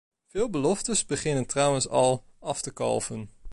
Veel beloftes beginnen trouwens al af te kalven.